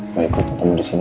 baik bu kamu di sini